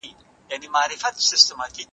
بې هویته ټولنه هيڅکله پرمختګ نه سي کولای.